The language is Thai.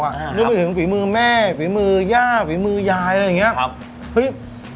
คือนึกไปถึงฝีมือแม่ฝีมือยากฝีมือยายอะไรอย่างเงี้ย